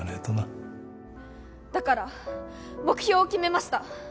だから目標を決めました。